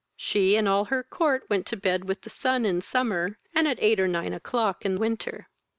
She and all her court went to bed with the sun in summer, and at eight or nine o'clock in winter.